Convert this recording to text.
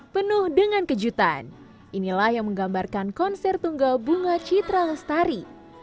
penuh dengan kejutan inilah yang menggambarkan konser tunggal bunga citra lestari